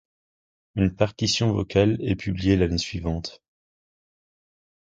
Une partition vocale est publiée l'année suivante.